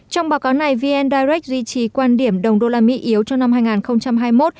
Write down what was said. trong báo cáo này vn direct duy trì quan điểm đồng đô la mỹ yếu trong năm hai nghìn hai mươi một